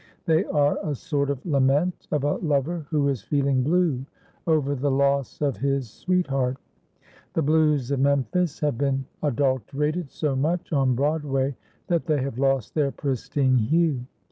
They are a sort of lament of a lover who is feeling "blue" over the loss of his sweetheart. The "Blues" of Memphis have been adulterated so much on Broadway that they have lost their pristine hue.